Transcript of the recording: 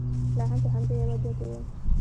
لا هم په همدې يوه دوه کې ووم.